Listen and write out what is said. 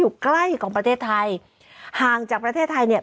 อยู่ใกล้ของประเทศไทยห่างจากประเทศไทยเนี่ย